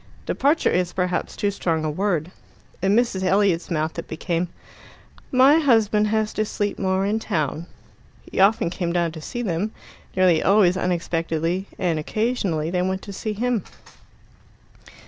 Departure is perhaps too strong a word. In Mrs. Elliot's mouth it became, "My husband has to sleep more in town." He often came down to see them, nearly always unexpectedly, and occasionally they went to see him.